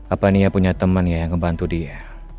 apa ini ya punya temen ya yang ngebantu dia